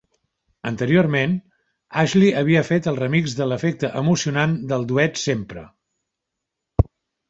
Anteriorment, Ashley havia fet el remix de l'efecte emocionant del duet "Sempre".